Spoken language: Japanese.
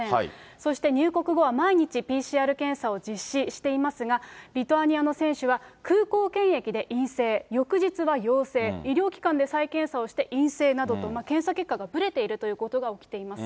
そして、入国後は毎日、ＰＣＲ検査を実施していますが、リトアニアの選手は空港検疫で陰性、翌日は陽性、医療機関で再検査をして陰性などと、検査結果がぶれているということが起きています。